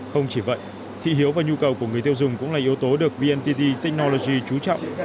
không chỉ vậy thị hiếu và nhu cầu của người tiêu dùng cũng là yếu tố được vnpt technology trú trọng